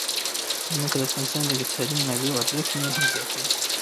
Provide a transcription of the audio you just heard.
ځمکه د افغانستان د اقتصادي منابعو ارزښت نور هم زیاتوي.